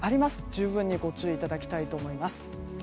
十分にご注意いただきたいと思います。